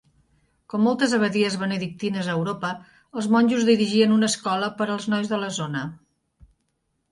Com moltes abadies benedictines a Europa, els monjos dirigien una escola per als nois de la zona.